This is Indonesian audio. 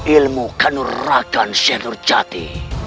ilmu kanurakan syekh nurjati